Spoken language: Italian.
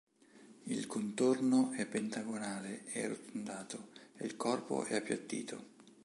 Il contorno è pentagonale e arrotondato e il corpo è appiattito.